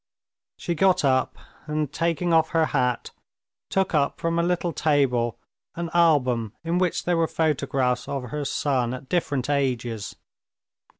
She got up, and, taking off her hat, took up from a little table an album in which there were photographs of her son at different ages.